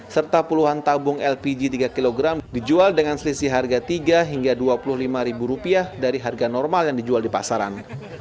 serta puluhan tabung lpg tiga kg dijual dengan selisih harga tiga hingga dua puluh lima ribu rupiah dari harga normal yang dijual di pasaran